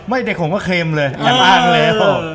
แต่เด็กของก็เค็มเลยอย่างอ้างเลย